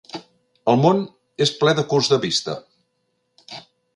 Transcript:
El món és ple de curts de vista!